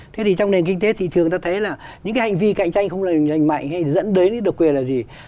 thế thì trong nền kinh tế thị trường ta thấy là những cái hành vi cạnh tranh không lành mạnh hay dẫn đến độc quyền là gì